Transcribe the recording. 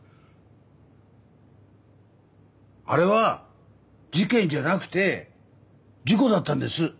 あれは事件じゃなくて事故だったんです。